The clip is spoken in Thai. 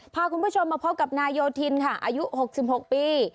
พาคุณผู้ชมมาพบกับนายโยธินค่ะอายุ๖๖ปี